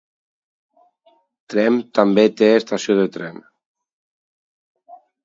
Tremp també té estació de tren.